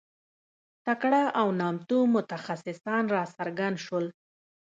تکړه او نامتو متخصصان راڅرګند شول.